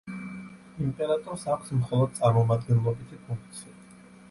იმპერატორს აქვს მხოლოდ წარმომადგენლობითი ფუნქცია.